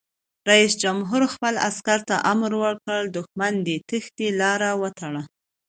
رئیس جمهور خپلو عسکرو ته امر وکړ؛ د دښمن د تیښتې لارې وتړئ!